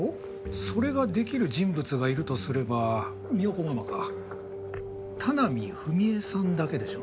それができる人物がいるとすれば三代子ママか田並史江さんだけでしょうね。